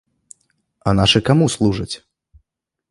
А нашы каму служаць?